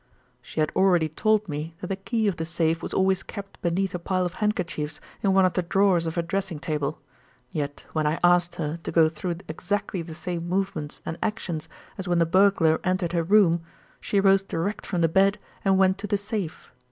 "She had already told me that the key of the safe was always kept beneath a pile of handkerchiefs in one of the drawers of her dressing table; yet when I asked her to go through exactly the same movements and actions as when the burglar entered her room, she rose direct from the bed and went to the safe.